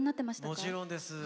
もちろんです。